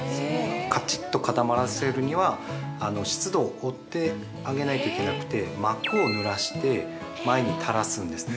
◆かちっと固まらせるには湿度をおって上げないといけなくて、膜をぬらして前に垂らすんですね。